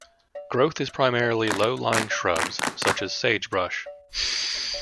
Growth is primarily low-lying shrubs, such as sagebrush.